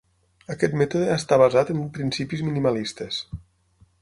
Aquest mètode està basat en principis minimalistes.